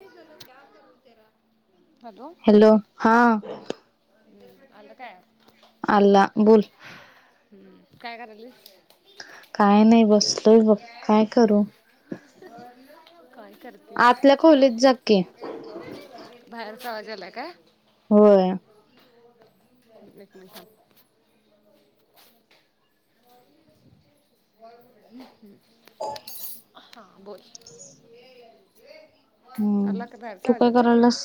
[unintelligible] Hello. Hello, हां [unintelligible] आल काय? आला, बोल. हम्म काय करायलीस? काय नाय, बसलोय बघ काय करू? [unintelligible] आतल्या खोलीत जा की [unintelligible] बाहेरचा आवाज आला काय? होय. [unintelligible] एक मिनिट. होय. हम् हम् रिकामा ऑडिओ हा बोल. [unintelligible] हम्म, आला का बाहेरचा तू आवाज काय आला करायलस?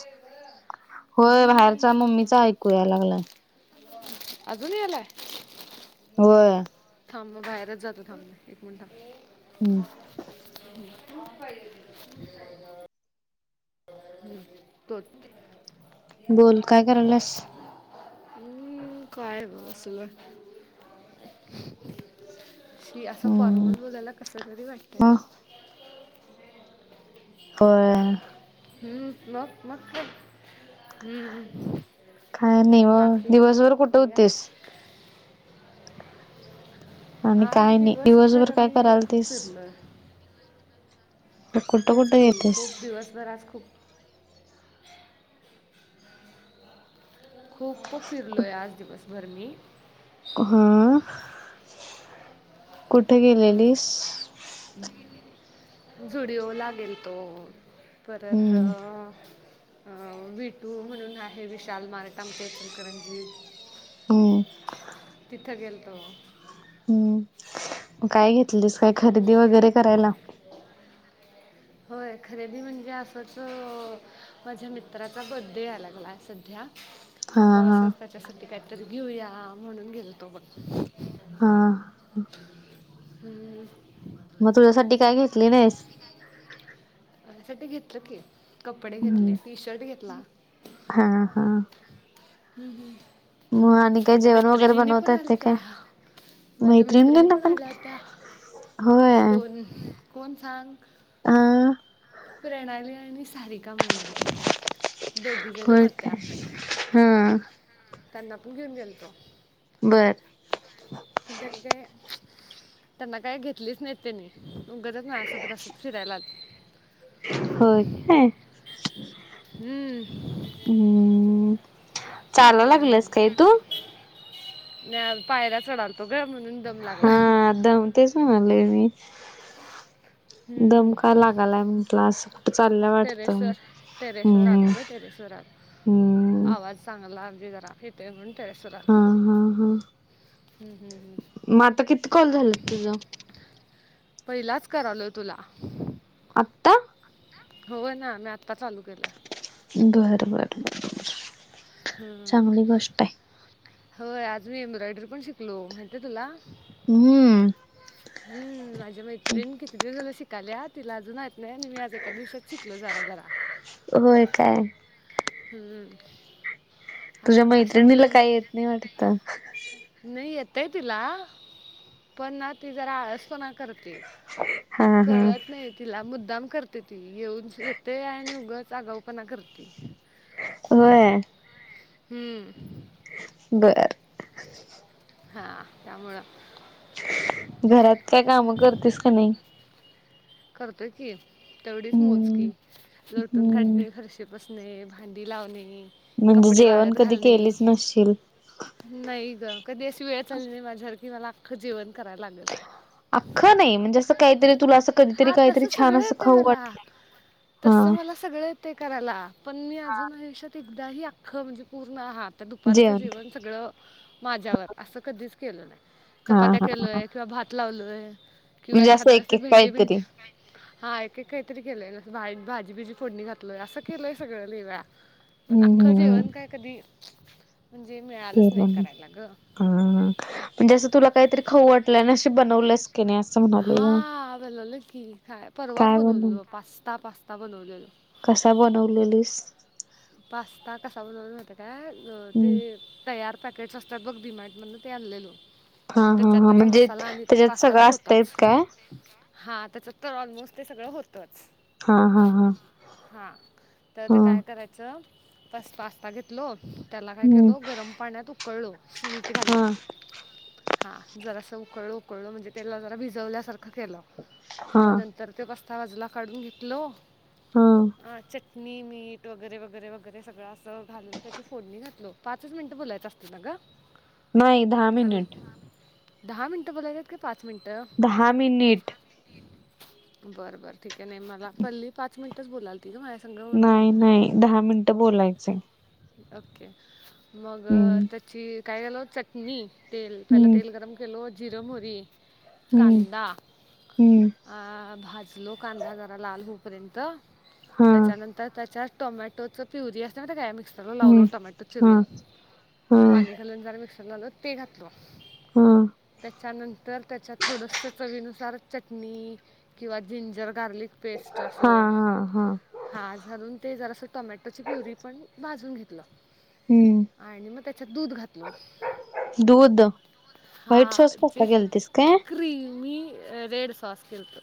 होय मी बाहेरचा मम्मीचा ऐक कुया लागला. अजूनी यालाय. होय थांब बाहेरच जातो. थांब एक मिनिटं. हम्म. [unintelligible] हम् तो [unintelligible] बोल काय करायलास हम्, काय बसलोय. [unintelligible] शी असा हम्म फॉर्मल बोलायला कस तरी वाटतय मग ना? होय. हम् मग, मग काय? हम्मम काय नाही मग बाकी दिवसभर कुठे [unintelligible] होतीस आणी आज काय नाय दिवसभर काय मी खूप करालतीस? फिरलो मग कुठं तेच कुठं की येतेस? खूप दिवसभर आज खूप खूप खूप कुठ फिरलोय आज दिवसभर मी. हा कुठे गेलेलीस? झुडीओ ला गेलतो. परत अ... हम्म अ विटू म्हणून आहे विशाल मारेठा आमच्या इचलकरंजी त.. हमं. तिथं गेलतो. हम्म काय घेतलीस काय खरेदी वगैरे करायला... होय खरेदी म्हणजे असंच माझ्या मित्राचा बड्डे आलाय का नाय सध्या.. हा मग हा असं त्याच्यासाठी काहीतरी घेऊया म्हणून गेल तो बघ. हा. ह. हं. हं. मग तुझ्यासाठी काय घेतली नाहीस? [unintelligible] साठी घेतलं की. कपडे घेतले, हम्म टी-शर्ट घेतला हा हा हम्म हम्म मग आणि काय माझ्या जेवण वगैरे मैत्रिणींनी बनवता पण येते काय आलत्या. माझ्या मैत्रिणी पण आल्या होत्या, होय दोन कोण सांग? अ प्रणाली आणि सारिका म्हणून. दोघीजणी होय होत्या काय? हा. त्यांना पण घेऊन गेलतो. बर पण त्यांनी काय, त्यांना काय घेतलीच नाहीत त्यांनी. उगचंच माझ्यासोबत असं फिरायला आ होय काय? हम्म हम्म चालाय लागलेस काय तु? नाय पायऱ्या चढालतो ग, म्हणून दम लागला हम्म दमतेस म्हणले मी. दम हम्म का लागालाय म्हटलं असं. चालल्या वाटतं, टेरेसवर टेरेसवर हम् आलो ग टेरेसवर आलो हम्म आवाज चांगला हा हा हा [unintelligible] हम हम मग आता किती कॉल झालेत तुझं पहिलाच करालोय तुला. आत्ता? होय ना, मी आत्ता चालू केलंय. बर बर, हम्म चांगली गोष्ट आहे. होय आज मी एम्ब्रॉयडरी पण शिकलो, माहितीय तुला? हम्म हम् माझ्या मैत्रिणी किती दिवस झालं शिकाल्या, तिला अजून येत नाही आणि मी आज एका दिवसात शिकलो जरा जरा. होय काय? हम्म तुझ्या अ- अशा मैत्रिणीला मुलीं काही येत नाही वाटत? नाही येतंय तिला, पण ना ती जरा आळसपणा करते. [unintelligible] कळत नाही तिला, मुद्दाम करते ती येऊन येते आणि उगच आगाऊपणा करते. होय. हम्म बरं हा त्यामुळं. घरात काय कामं करतेस का नाही? करतोय की, तेवढीच हम्म मोजकी लोटून हम्म काढणे, फरशी पुसणे, भांडी लावणे, म्हणजे कपडे जेवण वाळत कधी घालणे केलीच नसशील नाही ग, कधी अशी वेळच आली नाही माझ्यावर, की मला अख्खं जेवण करायला लागेल. अख्खं नाही, म्हणजे असं काहीतरी तुला असं कधीतरी हा काहीतरी तसं छान सगळं असं येतंय खाऊ मला, वाटलं तसं हा मला सगळं येतंय करायला, पण मी अजून आयुष्यात एकदा ही अख्खं म्हणजे पूर्ण आ हा आता दुपारचं जेवण सगळं माझ्यावर असं कधीच केलं नाही. हा चपात्या हा केलोय किंवा भात लावलोय किंवा म्हणजे एखादं एक असं एक भेंडी काहीतरी हा एक एक काहीतरी केलंय ग. भाजी बीजी फोडणी घात असं केलंय सगळं लय वेळा, पण हम्म अख्खं हम्म जेवण काय कधी म्हणजे मिळालंच नाही करायला ग. हा हा, म्हणजे असं तुला काहीतरी खाऊ वाटलं आणि असं बनवलंस की नाही अस हा बनवलेलं की परवाच काय बनव बनवलेल पास्ता पास्ता बनवलेलो. कसा बनवलेलीस? पास्ता कसा बनवला माहिताय काय ते हम्म. तयार पॅकेट असतात बघ डीमार्ट मधन ते आणलेलो. हा हा त्याच्यात हा त्याचा म्हणजे मसाला आणि ते त्याच्यात पास्ता सगळं तर असतय होताच. काय? हा त्याच्यात तर ऑलमोस्ट ते सगळं होतंच. हा हा हा! हा तर ते हा काय करायचं पस पास्ता घेतलो त्याला काय केल हम्म. गरम पाण्यात उकळलो मीठ हा घालून. हा जरास उकळ उकळलं म्हणजे तेला जरा भिजवल्यासारखं केलं. हा मग नंतर तो पास्ता बाजूला काढून घेतल. हम्म! चटणी मीठ वगैरे वगैरे वगैरे सगळं असं घालून त्याची फोडणी घातलो. पाचच मिनटं बोलायचं असतं ना ग? नाही दहा चाल मिनिट दहा मिनटं बोलायच का पाच मिनटं! दहा मिनिट बर बर ठीक आहे नाही मला पल्ली पाच मिनिटच बोलाल तिज माझ्या संग नाही नाही दहा मिनट बोलायचंय. ओके, मग हम्म. त्याची काय केलो चटणी तेल पहिल हम्म. तेल गरम केलो जिर, मोहरी, हम्म कांदा हम्म आ भाजलो कांदा जरा लाल होऊपर्यंत. हा त्याच्यानंतर त्याच्यात टोमॅटोच प्युरी मस्त माहिती आहे काय मिक्स सगळ लावलो हम्म. टोमॅटो हा चिरून हा पाणी घालून जरा मिक्सर आल ते घातल. हम्म! त्याच्यानंतर त्याच्यात थोडस चवीनुसार चटणी किंवा जिंजर गार्लिक पेस्ट हा असं हा हा! हा घालून ते जरा असं टोमॅटोची प्युरी पण भाजून घेतलं. हम्म आणि मग त्याच्यात दूध घातलो. दूध व्हाईट हा सॉस पास्ता जे केलतीस काय? क्रीमी रेड सॉस केलत.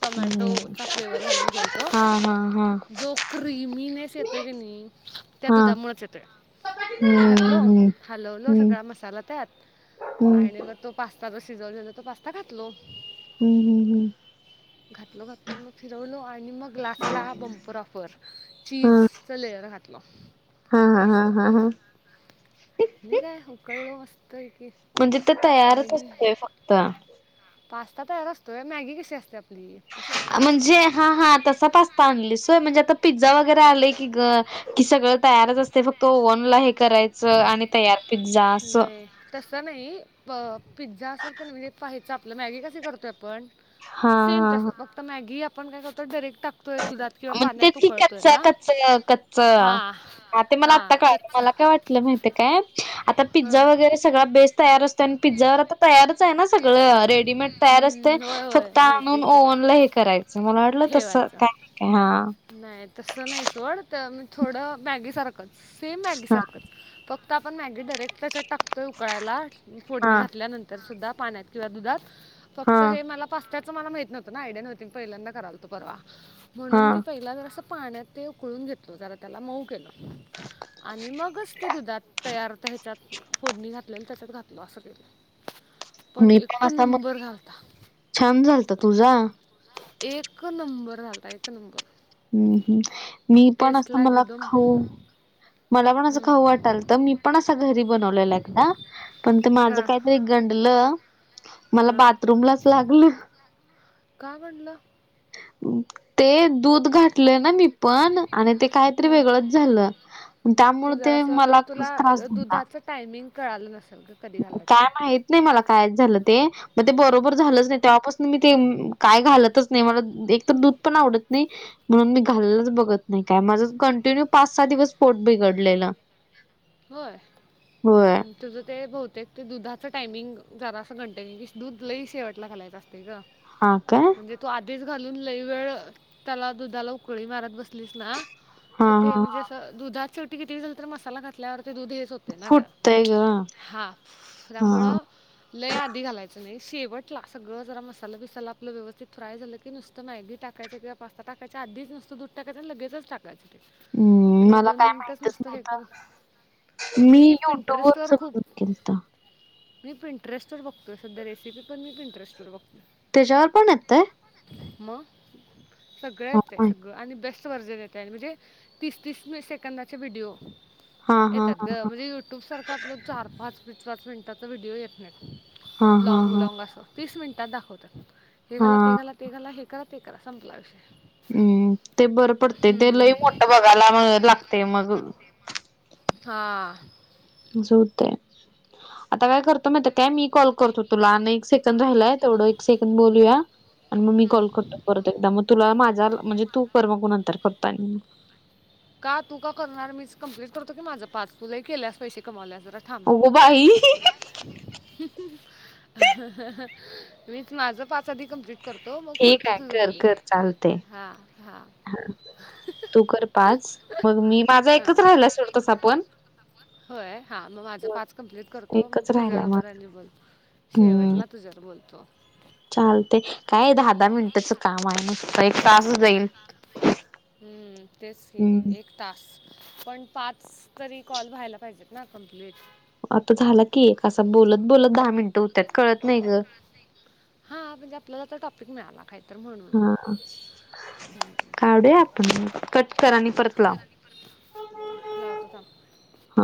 टोमॅटो हम्म चा फ्लेवर घालून केलं तो. हा हा हा! जो क्रिमीनेस येतोय की नाही त्या हा दुधामुळेच येतोय. दूध हम्म घातल हम्म हलवल हम्म सगळा मसाला त्यात हम्म आणि मग तो पास्ता जो सिजवलेला तो पास्ता घातलो. हम्म हम्म घातलो घातलो मग फिरवलो आणि आणि मग ग्लास बंपर ऑफर चीज हम्म. च लेयर घातलं. हा हा हा मस्त हा हा! आणि काय उकळलो मस्त पैकी म्हणजे ते तयारच असतय फक्त पास्ता तयार असतोय, मॅगी कशी असते आपली. तसंच की पास्ता म्हणजे पण हा हा तसा पास्ता आणली होय म्हणजे आता पिझ्झा वगैरे आलय की ग कि सगळं तयारच असतय फक्त ओव्हन ला हे करायच च आणि तयार पिझ्झा अस. नाही तसं नाही पिझ्झा असर का नाही म्हणजे पाहायचं आपलं मॅगी कशी करतोय आपण! हा सेम हा तस, फक्त मॅगी आपण काय करतो डयरेक्ट टाक मग ते तेच की कच्च कच्च कच्च! हां हा ते मला हां आत्ता कळाल कच्चं मला काय वाट ल माहिताय काय आता हां पिझ्झा वगैरे सगळा बेस तयार असतो आणि पिझ्झावर आता तयार च आहे ना सगळं रेडीमेड तयार असतं. हम्म, होय होय फक्त मिळते आणून की ओवनला हे करायचं मला वाटलं तस काय हाय का हा नाय तसं नाई सोड त म थोडं मॅगी सारखंच, सेम मॅगी हा सारखंच फ क्त आपण मॅगी डायरेक्ट त्याच्यात टकतोय उकळायला हा फोडणी घातल्यानंतर तर सुद्धा पाण्यात किंवा दुधात हा फक्त हे मला पास्त्याचं मला माहित नव्हतं ना आयडया नव्हती मी पहिल्यांदा करालतो परवा म्हणून मी हा. पहिला जरासं पाण्यात ते उकळून घेतलो जरा त्याला मऊ केलं. आणि मगच ते दुधात तयार ह्याच्यात फोडणी घातलेल त्याच्यात घातलं असं केलं. पण मी एक असा मग नंबर झालता छान झालता छान तुझा झालता. एक नंबर झालता एक नंबर. हम्म हम्म मी पण असं टेस्टला मला एकदम खाऊं मला पण असं खाऊ वाटालत मी पण असा घरी बनवलेला एकदा, पण ते माझं हां कांहीतरी गडलं मला हा बाथरूमलाच लागलं. का म्हणलं ते दुध ध घातल ना मी पण आणि ते काहीतरी हा वेगळच झालं त्यामुळे तू ते जरासं म्हणजे मला तुला त्रास अ झाला दुधाचं टायमिंग कळालं नसेल का कधी घालायचं. काय माहित नाही मला कायच झालं ते मग ते बरोबर हा. झालंच नाही तेव्हापासून मी ते म काय घालतच नाही मला एक तर दूध पण आवडत नाही म्हणून मी घाल्लच बघत नाही काय माझं कंटिन्यू पाच सहा दिवस पोट बिघडलेलं. होय होय हम्म. तुझ ते बहुतेक ते दुधाच टायमिंग जरा असं घंट की दुध लई शेवटला घालायच असते ग. हां का? म्हणजे तु आधीच घालून लई वेळ त्याला दुधाला उकळी मारत बसलीस ना हा तर ते हा म्हणजे असं दुधाच ते किती झाल तर मसाला घातल्यावर ते दुध हे थोते ना फुटतय जात ग हां हा. त्यामुळं लय आधी घालायचं नाही शेवटला सगळं जरा मसाला बिसाला आपलं व्यवस्थित फ्राय झालं की नुस त मॅगी टाकायचं किंवा पास्ता टाकायच्या आधीच नुस्त दूध टाकायच लगेचच टाकायचे ते. हम्म आणि एक मला दोन काय मिनिटच माहितच नुसतं हे करून नव्हतं मी युट्यूब पींटरेस्टवर वरच खूप बघत केलत. मी पींटरेस्टवर बघतोय सध्या रेसिपी पण मी पींटरेस्ट वर बघतो. त्याच्यावर पणं येतंय? म सगळं हा येतंय हा सगळं आणि बेस्ट त वर्जण येतंय म्हणजे तीस तीस मी सेकंदाचे व्हडिओ हा येतात हा ग म्हणजे युट्यूब सारखा आपलं चार पाच बिच पाच मिनिटांच व्हिडिओ येत नाहीं. हा लाँग हा. लाँग असं तीस मिनिटांत दाखवतात हे घाला ते हा घाला ते घाला हे करा ते करा संपला विषय. हम्म ते बरं पडते ते हम्म. लई मोठं बघायला ला लागतेय मगं. हां. झोवतेय आता काय करतो माहित काय मी कॉल करतो तुला, आण एक सेकंद राहिलाय तेवढं एक सेकंद बोलूया आण मग मी हम्म. कॉल करतो परत एकदा, मग तुला माझा म्हणजे तू कर मगू नंतर करतो आणि. का तू का करणार मीच कंप्लीट करतो की माझं पाच, तु लैय केल्यास पैसे कमावल्यास जरा थांब. अगो बाई मीच माझ पा च आधी कंप्लीट करतो मग ठीक पुढचं आहे तुझं बघूया हां हां. हां तू कर पाच मग मी माझा हां एकच राहिला सोड तसा पणं. होय हा म माझ पाच कंप्लीट करतो मग एकच तुझ्या राहिलाय बरोबर माझ राहिलं मग हम्म शेवटला तुझ्यावर बोलतो. चालते काय दहा हा मिनिटांच काम आहे नुस्त एक तास जाईल हम्म. टास्क पण पाच तरी कॉल व्हायला पाहिजेत ना कंप्लीट. आता झाला की एक असा बोलत बोलत दहा मिनिटं होत्यात कळत नाही ग. हा म्हणजे आपल्याला तर टॉपिक मिळाला. काहीत तर म्हण हा कावडूया आपण कट कर आणि परत लाव. लावतो थांब. हा.